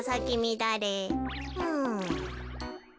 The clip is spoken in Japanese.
うん。